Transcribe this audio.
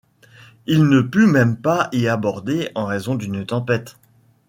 Il ne put même pas y aborder en raison d'une tempête.